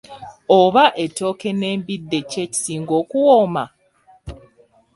Oba ettooke n’embidde ki ekisinga okuwooma?